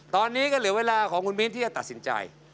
ตอนนี้ก็เหลือเวลาของคุณมิ้นที่จะตัดสินใจ